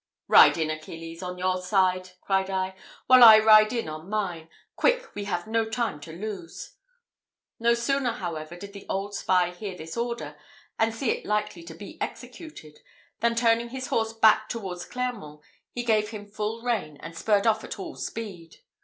"Ride in, Achilles, on your side," cried I, "while I ride in on mine. Quick, we have no time to lose." No sooner, however, did the old spy hear this order, and see it likely to be executed, than turning his horse back towards Clermont, he gave him full rein, and spurred off at all speed.